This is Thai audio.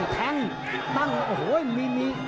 ตั้งตั้งโอ้โหมีมี